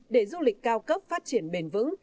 để du lịch cao cấp phát triển bền vững